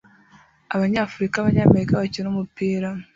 abanyafrika abanyamerika bakina umupira